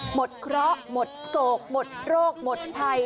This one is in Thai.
เคราะห์หมดโศกหมดโรคหมดภัย